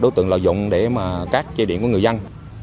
đối tượng lợi dụng để cắt dây điện của người dân